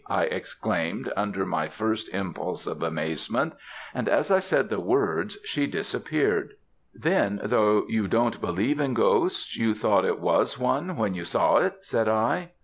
I exclaimed under my first impulse of amazement; and as I said the words she disappeared." "Then, though you don't believe in ghosts, you thought it was one when you saw it," said I.